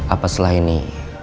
apa setelah ini